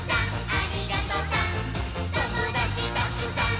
「ありがとさーん！」